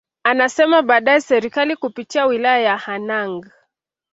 Anasema baadaye Serikali kupitia Wilaya ya Hanang